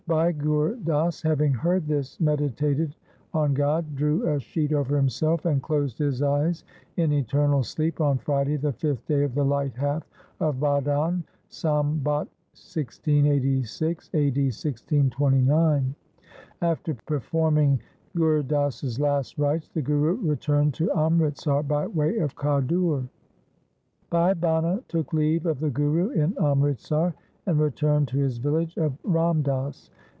Bhai Gur Das having heard this medi tated on God, drew a sheet over himself, and closed his eyes in eternal sleep on Friday the fifth day of the light half of Bhadon, Sambat 1686 (a. d. 1629). After performing Gur Das's last rites the Guru returned to Amritsar by way of Khadur. Bhai Bhana took leave of the Guru in Amritsar and returned to his village of Ramdas.